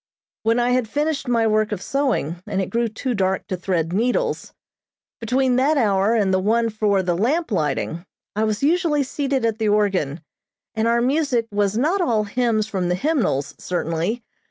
When I had finished my work of sewing, and it grew too dark to thread needles, between that hour and the one for the lamp lighting, I was usually seated at the organ, and our music was not all Hymns from the Hymnals, certainly.